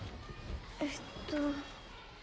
えっと。